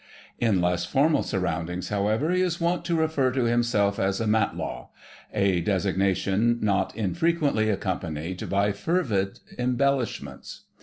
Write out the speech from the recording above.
In less formal surroundings, however, he is wont to refer to himself as a "matlow," a designation not infrequently accompanied by fervid embellishments.